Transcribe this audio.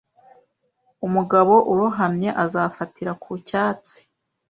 Umugabo urohamye azafatira ku cyatsi.